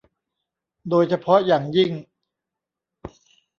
โดยเฉพาะอย่างยิ่ง